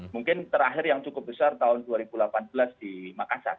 mungkin terakhir yang cukup besar tahun dua ribu delapan belas di makassar